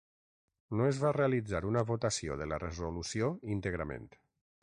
No es va realitzar una votació de la resolució íntegrament.